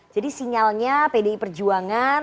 jadi sinyalnya pdi perjuangan